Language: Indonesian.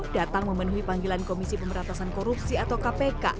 datang memenuhi panggilan komisi pemberantasan korupsi atau kpk